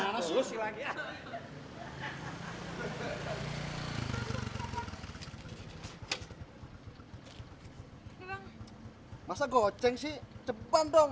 masa goceng sih depan dong